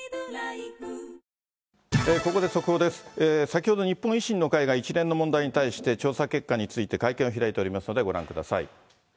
先ほど、日本維新の会が一連の問題に対して、調査結果について会見を開いておりますので、ご覧ください。